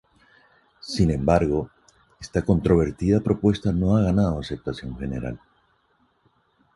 Sin embargo esta controvertida propuesta no ha ganado aceptación general.